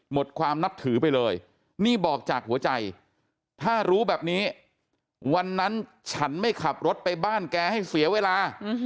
หมดความนับถือไปเลยนี่บอกจากหัวใจถ้ารู้แบบนี้วันนั้นฉันไม่ขับรถไปบ้านแกให้เสียเวลา